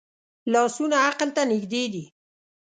لاسونه عقل ته نږدې دي